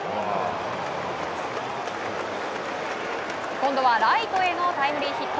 今度はライトへのタイムリーヒット。